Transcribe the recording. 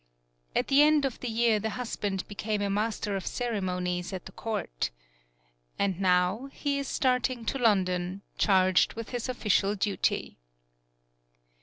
At the end of the year the husband became a Master of Ceremonies at the Court. And, now, he is starting to London, charged with his official duty.